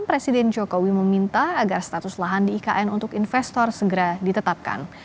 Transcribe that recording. presiden jokowi meminta agar status lahan di ikn untuk investor segera ditetapkan